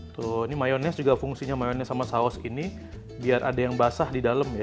tuh ini mayonis juga fungsinya mayonis sama saus ini biar ada yang basah di dalam ya